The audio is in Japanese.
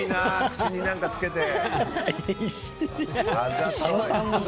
口に何かつけて。